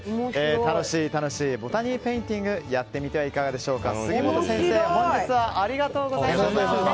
楽しい楽しいボタニーペインティングやってみてはいかがでしょうか。